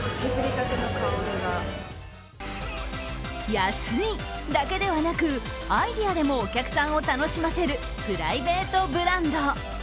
安いだけではなく、アイデアでもお客さんを楽しませるプライベートブランド。